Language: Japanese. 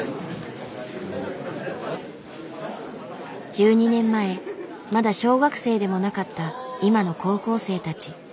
１２年前まだ小学生でもなかった今の高校生たち。